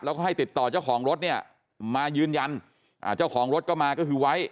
แล้วก็ให้ติดต่อเจ้าของรถเนี่ยมายืนยันเจ้าของรถก็มาก็คือไว้